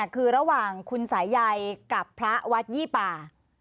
คือระหว่างคุณสายใยกับพระวัดยี่ป่า